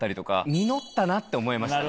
実ったなって思いました。